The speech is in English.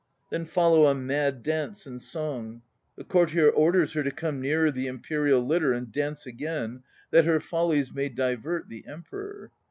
Then follow a "mad dance" and song. The courtier orders her to come nearer the Imperial litter and dance again, that her follies may divert the Emperor.